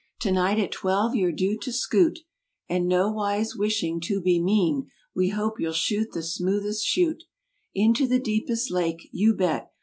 Tonight at twelve you're due to skoot: And nowise wishing to be mean We hope you'll shoot the smoothest chute Into the deepest lake, you bet.